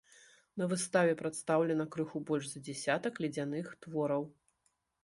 На выставе прадстаўлена крыху больш за дзясятак ледзяных твораў.